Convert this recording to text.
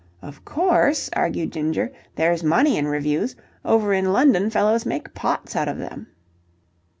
"Of course," argued Ginger, "there's money in revues. Over in London fellows make pots out of them."